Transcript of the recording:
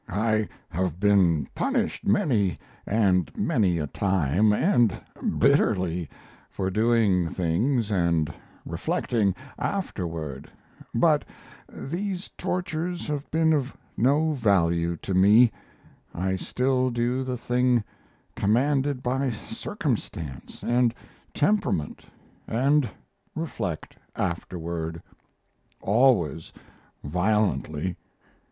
I have been punished many and many a time, and bitterly, for doing things and reflecting afterward, but these tortures have been of no value to me; I still do the thing commanded by Circumstance and Temperament, and reflect afterward. Always violently.